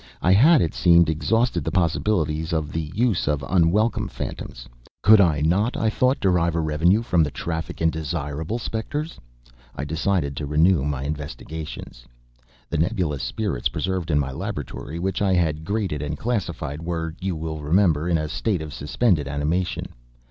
I had, it seemed, exhausted the possibilities of the use of unwelcome phantoms. Could I not, I thought, derive a revenue from the traffic in desirable specters? I decided to renew my investigations. The nebulous spirits preserved in my laboratory, which I had graded and classified, were, you will remember, in a state of suspended animation.